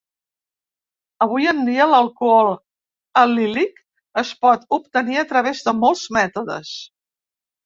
Avui en dia l'alcohol alílic es pot obtenir a través de molts mètodes.